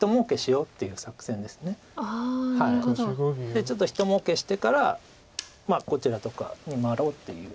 でちょっとひともうけしてからこちらとかに回ろうっていう。